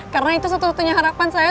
karena itu satu satunya harapan saya